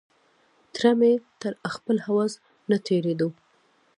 تره مې تر خپل هوس نه تېرېدو.